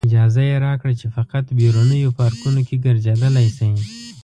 اجازه یې راکړه چې فقط بیرونیو پارکونو کې ګرځېدلی شئ.